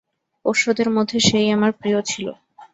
পোষ্যদের মধ্যে সে-ই আমার প্রিয় ছিল।